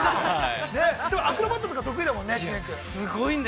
◆アクロバットとか、得意だもんね。